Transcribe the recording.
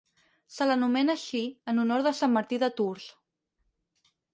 Se l'anomena així en honor de Sant Martí de Tours.